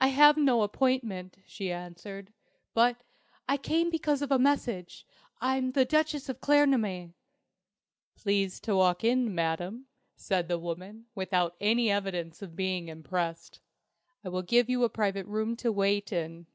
"I have no appointment," she answered. "But I came because of a message. I'm the Duchess of Claremanagh." "Please to walk in, Madam," said the woman, without any evidence of being impressed. "I will give you a private room to wait in."